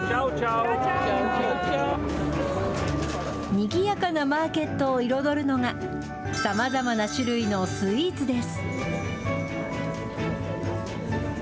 にぎやかなマーケットを彩るのが、さまざまな種類のスイーツです。